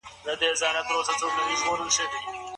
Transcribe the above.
ولي محنتي ځوان د ذهین سړي په پرتله برخلیک بدلوي؟